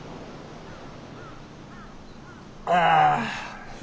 ああ。